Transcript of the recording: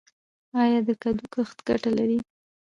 آیا د کدو کښت ګټه لري؟